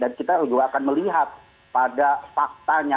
dan kita juga akan melihat pada faktanya